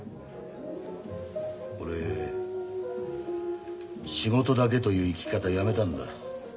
俺仕事だけという生き方やめたんだ。